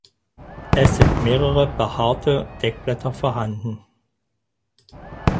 Es sind mehrere behaarte Deckblätter vorhanden.